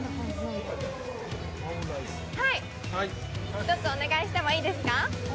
１つ、お願いしてもいいですか？